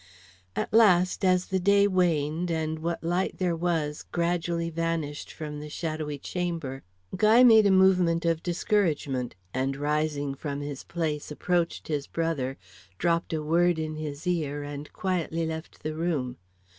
At last, as the day waned, and what light there was gradually vanished from the shadowy chamber, Guy made a movement of discouragement, and, rising from his place, approached his brother, dropped a word in his ear, and quietly left the room.